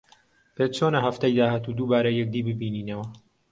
پێت چۆنە هەفتەی داهاتوو دووبارە یەکدی ببینینەوە؟